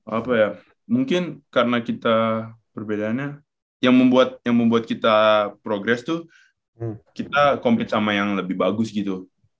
apa ya mungkin karena kita perbedaannya yang membuat kita progress tuh kita compete sama yang lebih bagus gitu